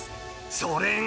それが。